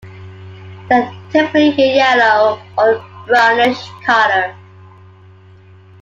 They are typically a yellow or brownish color.